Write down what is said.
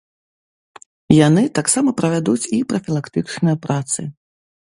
Яны таксама правядуць і прафілактычныя працы.